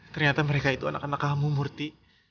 ternyata mereka itu anak anak kamu murti